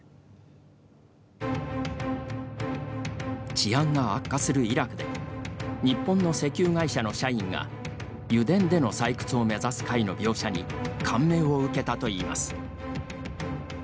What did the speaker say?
治安が悪化するイラクで日本の石油会社の社員が油田での採掘を目指す回の描写に感銘を受けたといいます。